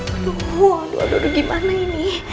aduh aduh udah gimana ini